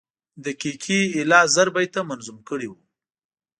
دقیقي ایله زر بیته منظوم کړي وو.